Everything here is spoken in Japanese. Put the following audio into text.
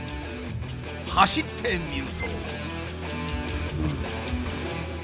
走ってみると。